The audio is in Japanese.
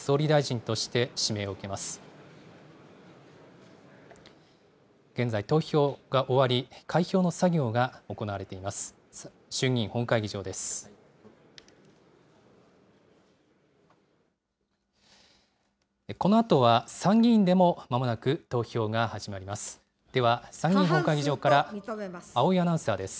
このあとは参議院でも、まもなく投票が始まります。